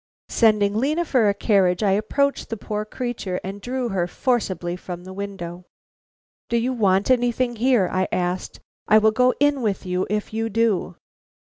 Sending Lena for a carriage, I approached the poor creature and drew her forcibly from the window. "Do you want anything here?" I asked. "I will go in with you if you do."